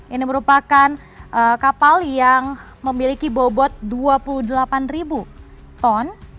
ini merupakan kapal yang memiliki bobot dua puluh delapan ribu ton